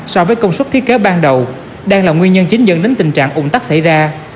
so với công suất thiết kế ban đầu đang là nguyên nhân chính dẫn đến tình trạng ủng tắc xảy ra